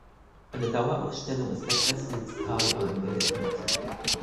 Eine Dauerausstellung ist der Preßnitztalbahn gewidmet.